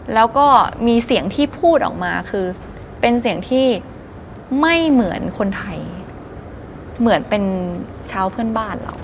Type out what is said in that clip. แล้วก็มีเสียงที่พูดออกมาคือเป็นเสียงที่ไม่เหมือนคนไทยเหมือนเป็นชาวเพื่อนบ้านเรา